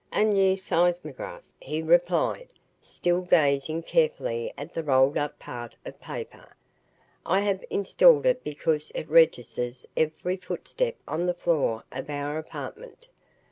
"A new seismograph," he replied, still gazing carefully at the rolled up part of the paper. "I have installed it because it registers every footstep on the floor of our apartment.